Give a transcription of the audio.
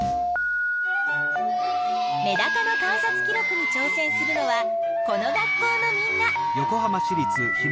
メダカの観察記録にちょう戦するのはこの学校のみんな。